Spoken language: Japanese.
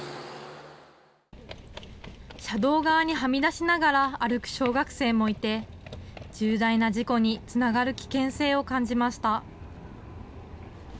車道側にはみ出しながら歩く小学生もいて、重大な事故につながる危険性を感じました。